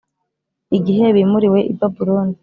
igihe bimuriwe i Babuloni